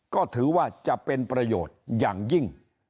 ก็ถือว่าจะเป็นประโยชน์อย่างยิ่ง